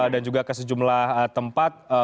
dan juga ke sejumlah tempat